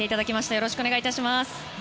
よろしくお願いします。